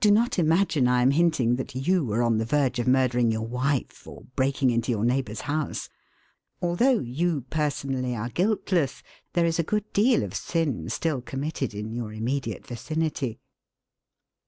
(Do not imagine I am hinting that you are on the verge of murdering your wife or breaking into your neighbour's house. Although you personally are guiltless, there is a good deal of sin still committed in your immediate vicinity.)